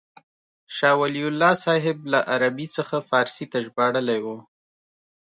شاه ولي الله صاحب له عربي څخه فارسي ته ژباړلې وه.